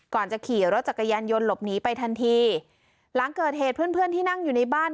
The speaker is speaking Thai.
ก่อนจะขี่รถจักรยานยนต์หลบหนีไปทันทีหลังเกิดเหตุเพื่อนเพื่อนที่นั่งอยู่ในบ้าน